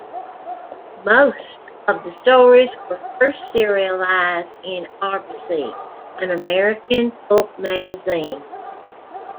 Most of the stories were first serialized in "Argosy", an American pulp magazine.